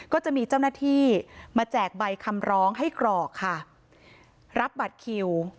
ก็จะมีเจ้าหน้าที่มาแจกใบคำร้องให้กรอกค่ะรับบัตรคิว